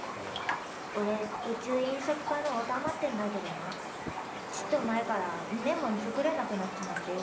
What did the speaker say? おれ宇宙飲食科のおたまってんだけどなちっと前からんめえもん作れなくなっちまってよ